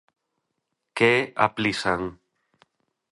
¿Que é a Plisan?